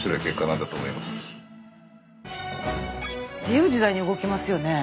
自由自在に動きますよね。